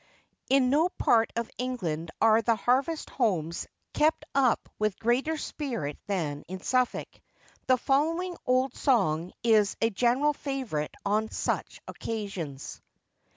[IN no part of England are the harvest homes kept up with greater spirit than in Suffolk. The following old song is a general favourite on such occasions.